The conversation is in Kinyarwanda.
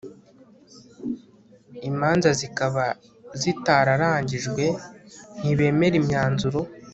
imanza zikaba zitararangijwe ntibemera imyanzuro